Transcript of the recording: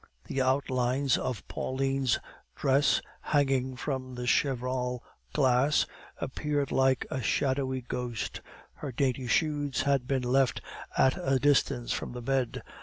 The outlines of Pauline's dress, hanging from a cheval glass, appeared like a shadowy ghost. Her dainty shoes had been left at a distance from the bed.